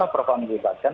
kenapa propam dibatalkan